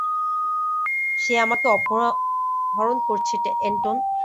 সে আমাকে অপহরণ করছে, এন্টন।